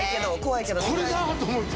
「これだー！」と思って。